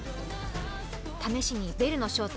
試しにベルの正体